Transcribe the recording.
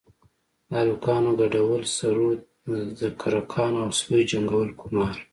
د هلکانو گډول سروذ د کرکانو او سپيو جنگول قمار.